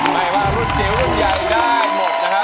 ไม่ว่ารุ่นจิ๋วรุ่นใหญ่ได้หมดนะครับ